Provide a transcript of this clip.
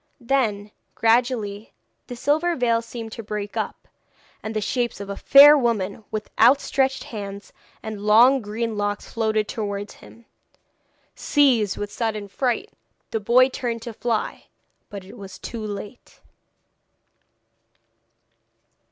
Then gradually the silver veil seemed to break up, and the shapes of fair women with outstretched hands and long green locks floated towards him. Seized with a sudden fright, the boy turned to fly. But it was too late.